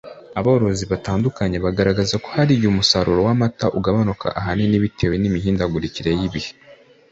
Aborozi batandukanye bagaragaza ko hari igihe umusaruro w’amata ugabanuka ahanini bitewe n’imihindagurikire y’ibihe